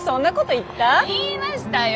言いましたよ。